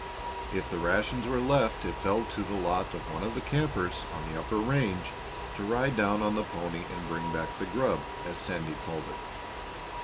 If the rations were left it fell to the lot of one of the campers on the upper range to ride down on the pony and bring back "the grub," as Sandy called it.